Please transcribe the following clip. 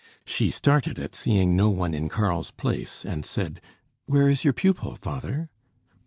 She started at seeing no one in Karl's place and said "Where is your pupil, father?"